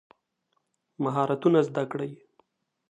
مهارتونه زده کړئ.